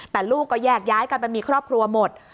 แต่ลูกก็แยกย้ายกันไปมีครอบครัวหมด